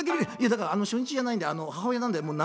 「だからあの初日じゃないんで母親なんでもう